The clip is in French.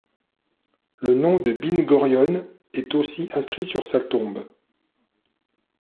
Le nom de Bin-Gorion est aussi inscrit sur sa tombe.